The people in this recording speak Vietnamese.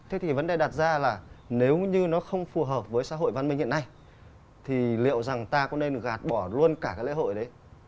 thế thì vấn đề đặt ra là nếu như nó không phù hợp với xã hội văn minh hiện nay thì liệu rằng ta có nên gạt bỏ luôn cả cái lễ hội đấy